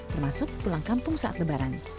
termasuk pulang kampung saat lebaran